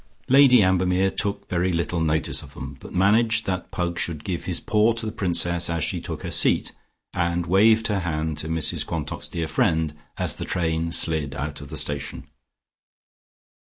Lady Ambermere took very little notice of them, but managed that Pug should give his paw to the Princess as she took her seat, and waved her hand to Mrs Quantock's dear friend, as the train slid out of the station.